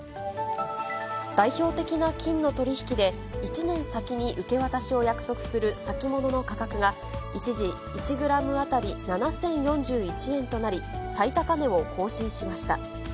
代表的な金の取り引きで、１年先に受け渡しを約束する先物の価格が、一時、１グラム当たり７０４１円となり、最高値を更新しました。